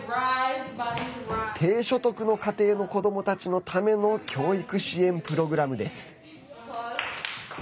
低所得の家庭の子どもたちのための教育支援プログラムです。